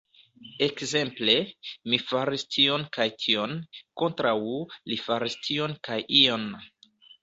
Ekzemple, "mi faris tion kaj tion" kontraŭ "li faris tion kaj ion".